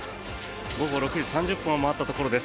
午後６時３０分を回ったところです。